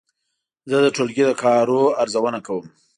زه د ټولګي د کارونو ارزونه کوم.